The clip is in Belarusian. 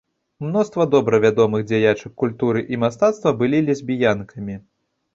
Мноства добра вядомых дзяячак культуры і мастацтва былі лесбіянкамі.